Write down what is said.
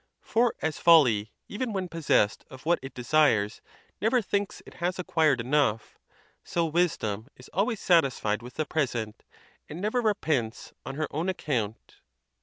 For as folly, even when possessed of what it desires, never thinks it has acquired enough, so wisdom is always satisfied with the present, and never repents on her own account.